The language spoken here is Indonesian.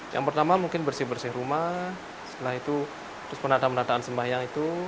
yang pertama mungkin bersih bersih rumah setelah itu terus penataan penataan sembahyang itu